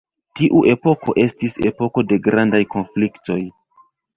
Tiu epoko estis epoko de grandaj konfliktoj.